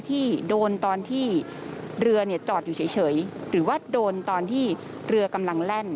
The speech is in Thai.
ที่โดนตอนที่เรือเนี่ยจอดอยู่เฉยหรือว่าโดนตอนที่เรือกำลังแล่น